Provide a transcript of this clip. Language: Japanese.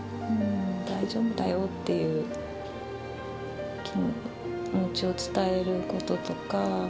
大丈夫だよっていう気持ちを伝えることとか。